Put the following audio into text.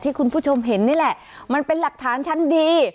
คุณผู้ชมเห็นนี่แหละมันเป็นหลักฐานชั้นดี